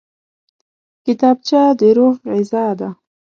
کتابچه د روح غذا ده